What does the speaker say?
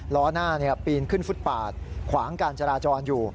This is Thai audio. ล้อหน้าปีนขึ้นฟุตปาดขวางการจราจรอยู่